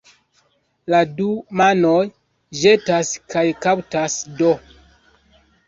La du manoj ĵetas kaj kaptas do.